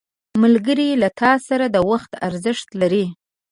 ملګری له تا سره د وخت ارزښت لري